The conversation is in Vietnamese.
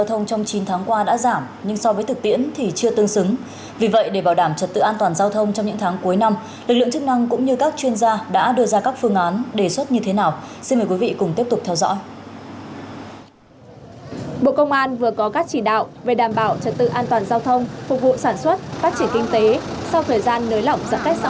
bộ công an vừa có các chỉ đạo về đảm bảo trật tự an toàn giao thông phục vụ sản xuất phát triển kinh tế sau thời gian nới lỏng giãn cách xã hội